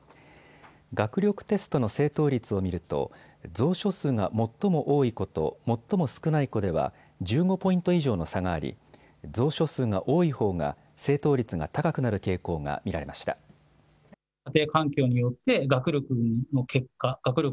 学力テストの正答率を見ると蔵書数が最も多い子と最も少ない子では１５ポイント以上の差があり、蔵書数が多いほうが正答率が高くなる傾向が見られました。